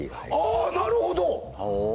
ああなるほど！